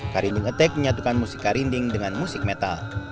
karinding attack menyatukan musik karinding dengan musik metal